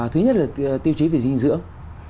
thứ nhất là tiêu chí về dinh dưỡng